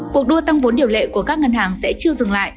cuộc đua tăng vốn điều lệ của các ngân hàng sẽ chưa dừng lại